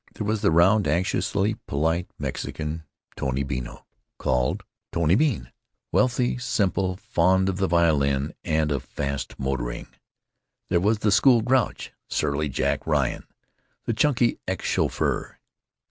There was the round, anxious, polite Mexican, Tony Beanno, called "Tony Bean"—wealthy, simple, fond of the violin and of fast motoring. There was the "school grouch," surly Jack Ryan, the chunky ex chauffeur.